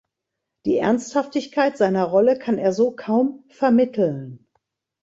Die Ernsthaftigkeit seiner Rolle kann er so kaum vermitteln.